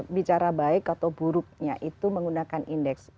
bicara baik atau buruknya itu menggunakan indeks